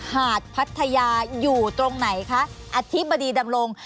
หาดพัทยาอยู่ตรงไหนคะอธิบดีดำรง